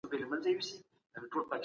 ښوونکی د زدهکوونکو ذهن ته وده ورکوي.